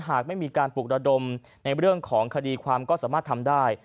หากไม่มีการปลุกระดมในเรื่องของคดีความก็สามารถทำได้